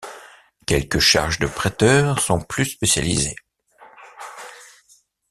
Quelques charges de préteurs sont plus spécialisées.